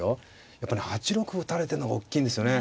やっぱね８六歩打たれてんのがおっきいんですよね。